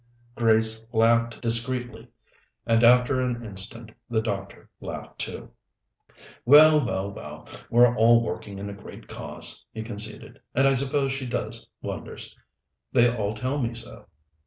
Grace laughed discreetly, and after an instant the doctor laughed too. "Well, well, well, we're all working in a great cause," he conceded, "and I suppose she does wonders. They all tell me so.